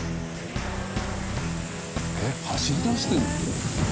えっ走りだしてるの？